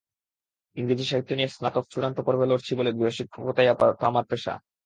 ইংরেজি সাহিত্য নিয়ে স্নাতক চূড়ান্ত পর্বে পড়ছি বলে গৃহশিক্ষকতাই আপাতত আমার পেশা।